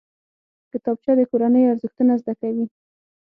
کتابچه د کورنۍ ارزښتونه زده کوي